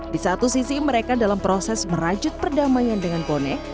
di satu sisi mereka dalam proses merajut perdamaian dengan bonek